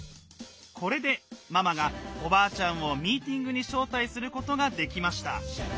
これでママがおばあちゃんをミーティングに招待することができました。